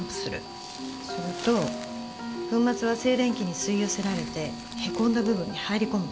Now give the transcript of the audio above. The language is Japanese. すると粉末は静電気に吸い寄せられてへこんだ部分に入り込むの。